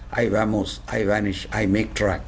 I vamos! I vanish! I make track!